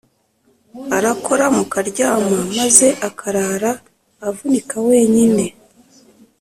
Arakora mukaryama, maze akarara avunika wenyine